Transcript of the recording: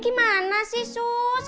gimana sih sus